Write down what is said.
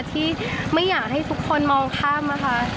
ที่ไม่อยากให้ทุกคนมองข้ามนะคะ